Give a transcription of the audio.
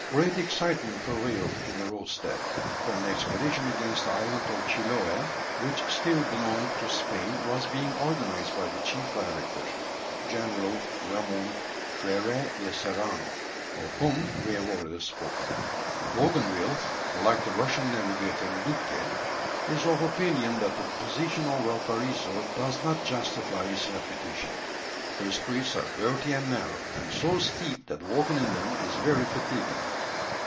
Great excitement prevailed in the roadstead, for an expedition against the island of Chiloë, which still belonged to Spain, was being organized by the chief director, General Ramon Freire y Serrano, of whom we have already spoken. Bougainville, like the Russian navigator Lütke, is of opinion that the position of Valparaiso does not justify its reputation. The streets are dirty and narrow, and so steep that walking in them is very fatiguing.